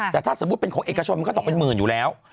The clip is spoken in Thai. แต่ถ้าสมมุติเป็นของเอกชนมันก็ตกเป็นหมื่นอยู่แล้ว